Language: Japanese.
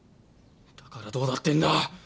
だからどうだってんだ！